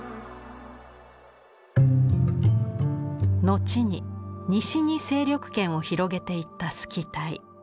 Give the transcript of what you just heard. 後に西に勢力圏を広げていったスキタイ。